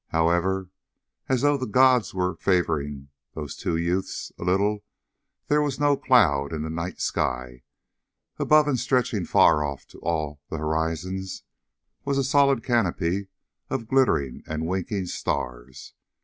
However, as though the gods were favoring those two youths a little, there were no clouds in the night sky. Above and stretching far off to all the horizons was a solid canopy of glittering and winking stars.